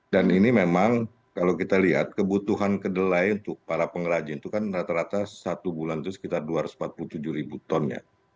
dan ini memang kalau kita lihat kebutuhan kedelai untuk para pengrajin itu kan rata rata satu bulan itu sekitar dua ratus empat puluh tujuh ribu ton ya